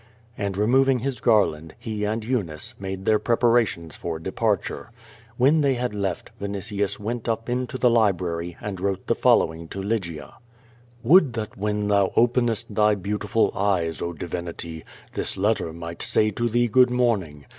And removing his garland, he and Eunice made their preparations for departure. When they had left, Vinitius went up into the library and wrote the following to Lygia: Would that when thou openest thy beautiful eyes, oh divin ity, this letter might say to thee Good morning.